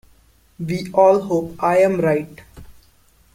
We all hope I am right.